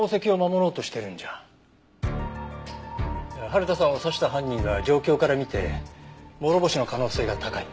春田さんを刺した犯人は状況から見て諸星の可能性が高い。